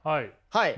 はい。